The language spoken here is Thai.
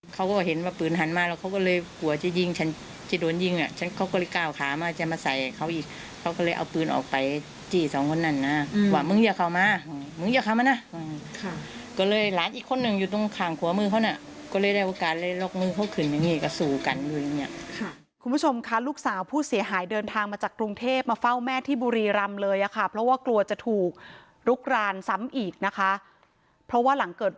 คุณผู้ชมคะลูกสาวผู้เสียหายเดินทางมาจากกรุงเทพมาเฝ้าแม่ที่บุรีรำเลยอ่ะค่ะเพราะว่ากลัวจะถูกลุกรานซ้ำอีกนะคะเพราะว่าหลังเกิดเริ่มผู้ใหญ่บ้านได้ประโยชน์ค่ะคุณผู้ชมคะลูกสาวผู้เสียหายเดินทางมาจากกรุงเทพมาเฝ้าแม่ที่บุรีรำเลยอ่ะค่ะเพราะว่ากลัวจะถูกลุกรานซ้ำอีกนะคะเพราะว่าหลังเ